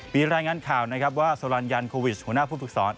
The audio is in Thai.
มีรายงานข่าวนะครับว่าโซลันยันโควิชหัวหน้าผู้ฝึกสอน